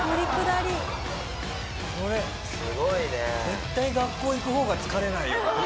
絶対学校行く方が疲れないよ。